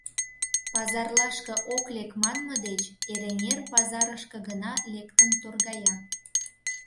Пазарлашке ок лек манме деч, Эреҥер пазарышке гына лектын торгая.